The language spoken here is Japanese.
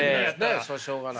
そらしょうがない。